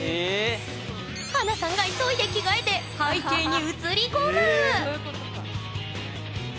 華さんが急いで着替えて背景に写り込む！